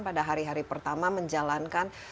pada hari hari pertama menjalankan